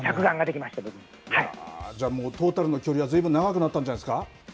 もうトータルの距離はずいぶん長くなったんじゃないんですか？